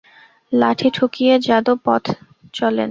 লাঠি ঠুকিয়া যাদব পথ চলেন।